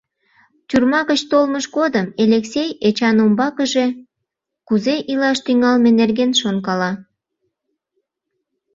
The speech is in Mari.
Тюрьма гыч толмыж годым Элексей Эчан умбакыже кузе илаш тӱҥалме нерген шонкала.